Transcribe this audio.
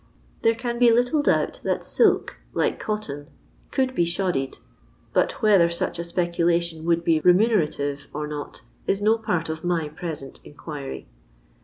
There can be little doubt that silk, like cotton, could be shoddied, hut whether snch a speculation would be remunc ntive or not is no part of my present inquiry.